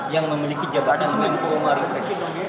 yang memiliki jabatan dengan trauma reflexi